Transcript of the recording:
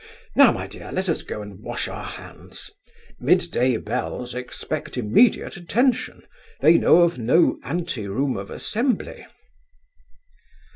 Now, my dear, let us go and wash our hands. Midday bells expect immediate attention. They know of no anteroom of assembly."